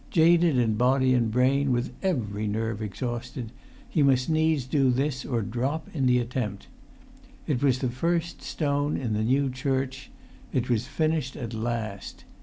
Jaded in body and brain, with every nerve exhausted, he must needs do this or drop in the attempt. It was the first stone in the new church. It was finished at last.